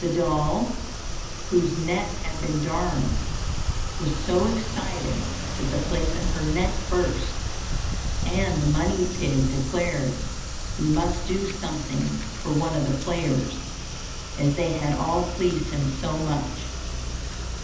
The doll, whose neck had been darned, was so excited that the place in her neck burst, and the money pig declared he must do something for one of the players, as they had all pleased him so much.